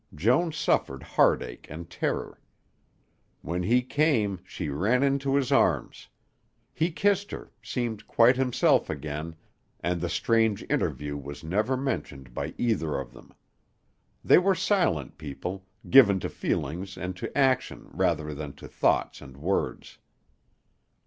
Joan suffered heartache and terror. When he came, she ran into his arms. He kissed her, seemed quite himself again, and the strange interview was never mentioned by either of them. They were silent people, given to feelings and to action rather than to thoughts and words.